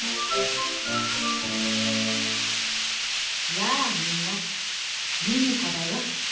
やあみんなミミコだよ。